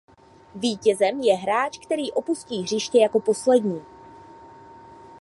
Vítězem je hráč který opustí hřiště jako poslední.